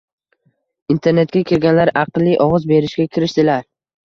Internetga kirganlar aqlli ovoz berishga kirishdilar